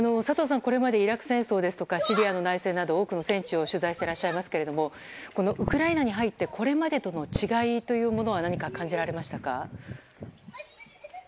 佐藤さん、これまでイラク戦争ですとかシリアの内戦など多くの戦地を取材していらっしゃいますがウクライナに入ってこれまでとの違いは何か感じられましたか？